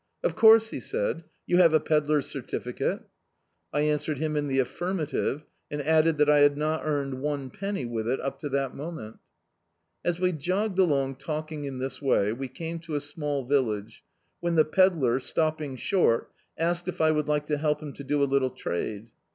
"Of course," he said, "you have a pedlar's certificated" I answered him in the affirmative, and added that I had not earned one penny with it up to that moment. As we jogged along talking in this way, we came to a small village, when the pedlar, stopping short, asked if I would like to help him to do a littie trade.